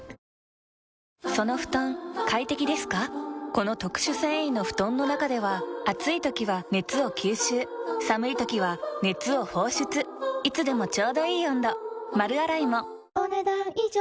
この特殊繊維の布団の中では暑い時は熱を吸収寒い時は熱を放出いつでもちょうどいい温度丸洗いもお、ねだん以上。